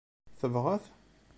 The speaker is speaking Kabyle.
Tebɣa-t?